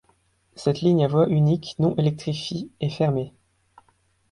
Cette ligne a voie unique non electrifie est fermée.